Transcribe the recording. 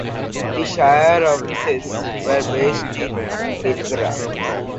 The shire offices were based in Bingara.